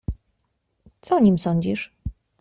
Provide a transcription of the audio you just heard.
"Co o nim sądzisz?"